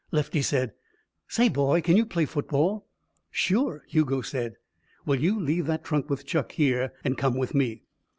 Lefty said: "Say, boy, can you play football?" "Sure," Hugo said. "Well, you leave that trunk with Chuck, here, and come with me."